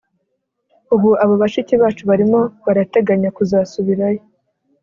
Ubu abo bashiki bacu barimo barateganya kuzasubirayo